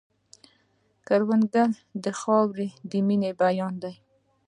کروندګر د خاورې د مینې بیان دی